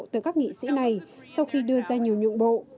từ các nghị sĩ này sau khi đưa ra nhiều nhượng bộ